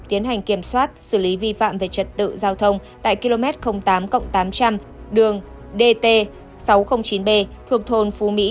tiến hành kiểm soát xử lý vi phạm về trật tự giao thông tại km tám trăm linh đường dt sáu trăm linh chín b thuộc thôn phú mỹ